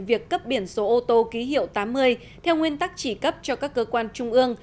việc cấp biển số ô tô ký hiệu tám mươi theo nguyên tắc chỉ cấp cho các cơ quan trung ương